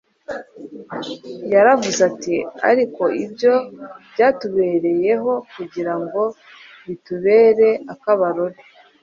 yaravuze ati: “ariko ibyo byababereyeho kugira ngo bitubere akabarore,